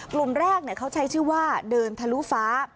กลุ่มแรกเขาใช้ชื่อว่าเดินทะลุฟ้า